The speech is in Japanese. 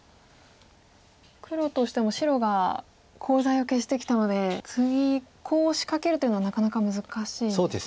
黒としても白がコウ材を消してきたので次コウを仕掛けるというのはなかなか難しいんですね。